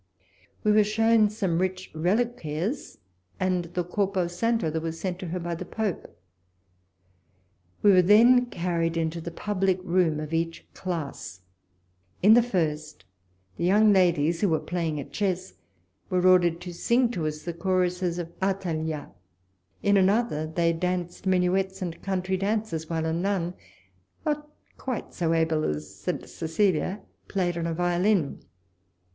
We were shown some rich reliquaires and the corpo santo that was sent to her by the Pope. We were then carried into the public room of each class. In the first, the young ladies, who were playing at chess, were ordered to sing to us the choruses of Athaliah ; in another, they danced minuets and country dances, while a nun, not quite so able as St. Cecilia, played on a violin.